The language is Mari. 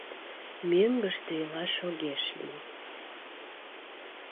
— Мӧҥгыштӧ илаш огеш лий.